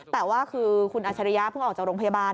แต่ว่าคือคุณอัชริยะเพิ่งออกจากโรงพยาบาล